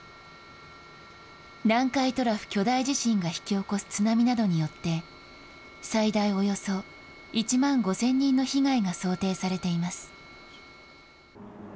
南海トラフ巨大地震が引き起こす津波などによって、最大およそ１万５０００人の被害が想定されています。